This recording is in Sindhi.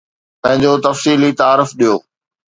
پنهنجو تفصيلي تعارف ڏيو